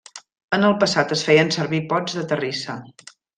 En el passat es feien servir pots de terrissa.